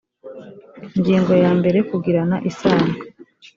ingingo ya mbere kugirana isano